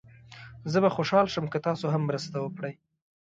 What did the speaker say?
زه به خوشحال شم که تاسو هم مرسته وکړئ.